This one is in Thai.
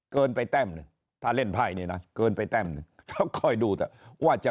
เกินไปแป้มถ้าเล่นไพ่นี้นะเกินไปแป้มแล้วคอยดูว่าจะ